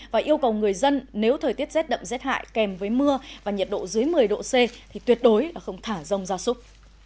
và yêu cầu người dân nếu thời tiết rét đậm rét hại kèm với mưa và nhiệt độ dưới một mươi độ c thì tuyệt đối không thả rông gia súc